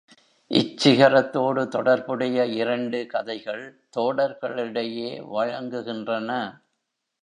இச் சிகரத்தோடு தொடர்புடைய இரண்டு கதைகள் தோடர்களிடையே வழங்குகின்றன.